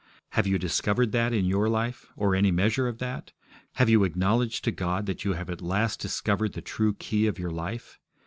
Have you discovered that in your life, or any measure of that? Have you acknowledged to God that you have at last discovered the true key of your life?